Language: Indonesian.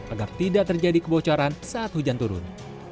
agar tidak terjadi kebocoran saat hujan turun